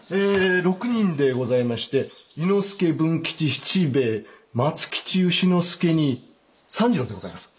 ６人でございまして由之助文吉七兵衛松吉丑之助に三次郎でございます。